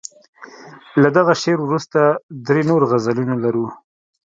له دغه شعر وروسته درې نور غزلونه لرو.